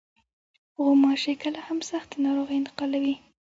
غوماشې کله هم سختې ناروغۍ انتقالوي.